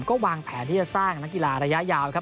ก็วางแผนที่จะสร้างนักกีฬาระยะยาวครับ